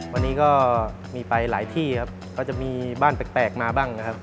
วันนี้ก็มีไปหลายที่ครับก็จะมีบ้านแปลกมาบ้างนะครับ